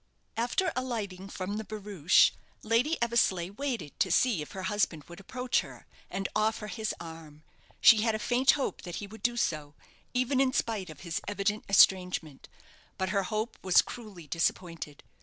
After alighting from the barouche, Lady Eversleigh waited to see if her husband would approach her, and offer his arm; she had a faint hope that he would do so, even in spite of his evident estrangement; but her hope was cruelly disappointed.